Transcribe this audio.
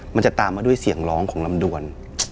มันจะตามมาด้วยเสียงร้องของลำดวน